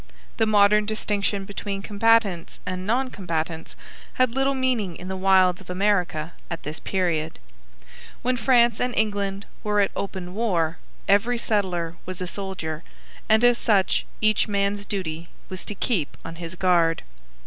The modern distinction between combatants and non combatants had little meaning in the wilds of America at this period. When France and England were at open war, every settler was a soldier, and as such each man's duty was to keep on his guard.